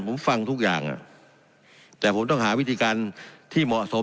ผมฟังทุกอย่างแต่ผมต้องหาวิธีการที่เหมาะสม